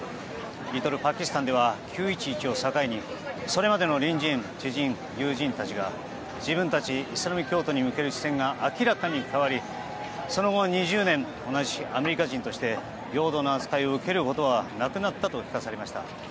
リトルパキスタンでは９・１１を境にそれまでの隣人・知人・友人たちが自分たちイスラム教徒に向ける視線が明らかに変わり、その後２０年同じアメリカ人として平等な扱いを受けることはなくなったと聞かされました。